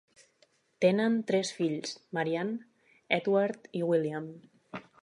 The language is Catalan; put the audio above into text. Tenen tres fills: Marianne, Edward i William.